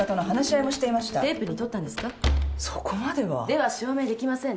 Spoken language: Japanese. では証明できませんね。